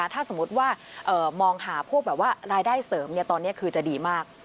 ถ้าสมมุติว่ามองหาพวกแบบว่ารายได้เสริมตอนนี้คือจะดีมาก